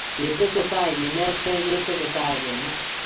ketesetai kenetkei ketesetai kenai